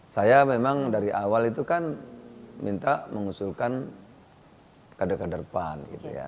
saya memang dari awal itu kan minta mengusulkan kader kader pan gitu ya